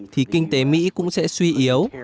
thì kinh tế mỹ cũng sẽ suy yếu